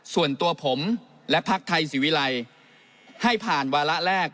ส่วนตัวผมและพักไทยศิวิรัยให้ผ่านวาระแรก